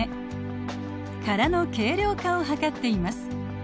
殻の軽量化を図っています。